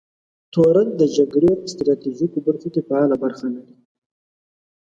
تورن د جګړې ستراتیژیکو برخو کې فعاله برخه لري.